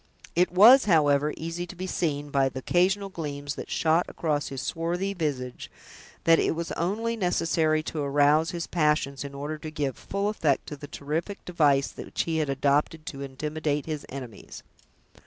It was, however, easy to be seen, by the occasional gleams that shot across his swarthy visage, that it was only necessary to arouse his passions, in order to give full effect to the terrific device which he had adopted to intimidate his enemies.